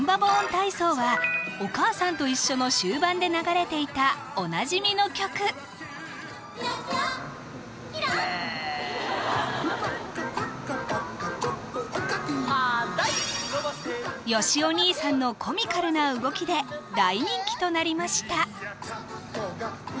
体操は「おかあさんといっしょ」の終盤で流れていたおなじみの曲よしお兄さんのコミカルな動きで大人気となりました